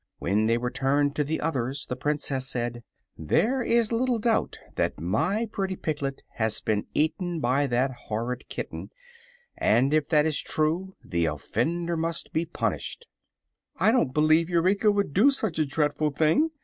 When they returned to the others the Princess said: "There is little doubt that my pretty piglet has been eaten by that horrid kitten, and if that is true the offender must be punished." "I don't b'lieve Eureka would do such a dreadful thing!"